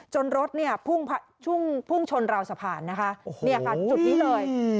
จนรถพุ่งชนราวสะพานนะคะนี่ค่ะจุดนี้เลย